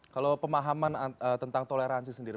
kalau pemahaman tentang toleransi sendiri